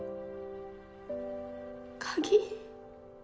鍵？